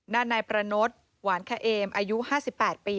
นานนายประโนธิ์หวานเค๋อมอายุ๕๘ปี